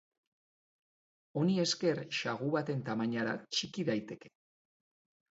Honi esker sagu baten tamainara txiki daiteke.